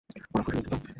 ওরা খুশি হয়েছে তো?